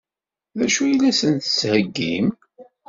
D acu i la sen-d-tettheggim?